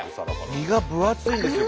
身が分厚いんですよ。